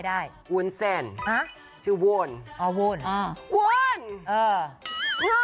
ได้อู๋นแสนฮะชื่อววนอ๋อววนอ่าววนเออเออ